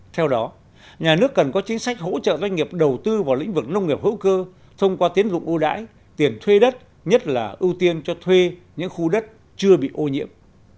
theo đó nhà nước cần có chính sách hỗ trợ doanh nghiệp đầu tư vào lĩnh vực nông nghiệp hữu cơ thông qua tiến dụng ưu đãi tiền thuê đất nhất là ưu tiên cho thuê những khu đất chưa bị ô nhiễm